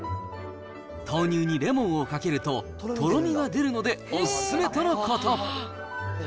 豆乳にレモンをかけると、とろみが出るので、お勧めとのこと。